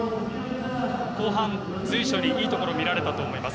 後半、随所にいいところが見られたと思います。